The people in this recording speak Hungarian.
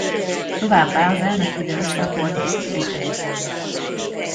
Továbbá az elnök hívja össze a Board Meetingeket.